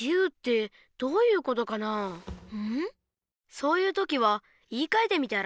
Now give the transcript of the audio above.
そういう時は言いかえてみたら？